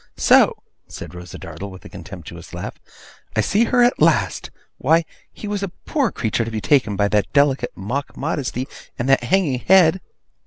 'So!' said Rosa Dartle, with a contemptuous laugh, 'I see her at last! Why, he was a poor creature to be taken by that delicate mock modesty, and that hanging head!